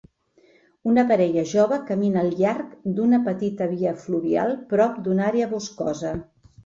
Una parella jove camina al llarg d'una petita via fluvial prop d'una àrea boscosa.